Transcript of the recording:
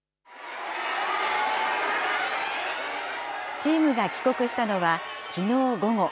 チームが帰国したのはきのう午後。